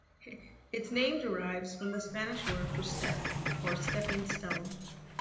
Its name derives from the Spanish word for "step" or "stepping stone".